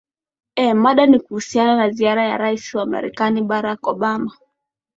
ee mada ni kuhusiana na ziara ya rais wa marekani barack obama